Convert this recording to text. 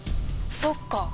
そっか。